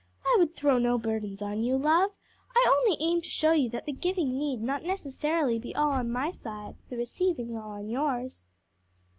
I would throw no burdens on you, love; I only aim to show you that the giving need not necessarily be all on my side, the receiving all on yours."